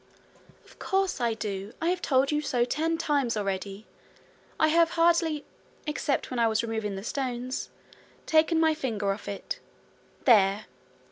'Of course I do. I have told you so ten times already. I have hardly except when I was removing the stones taken my finger off it. There!'